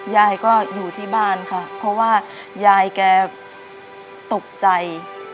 ยายก็อยู่ที่บ้านค่ะเพราะว่ายายแกตกใจ